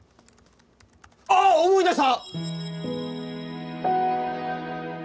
あっ思い出した！